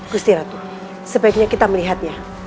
gusti ratu sebaiknya kita melihatnya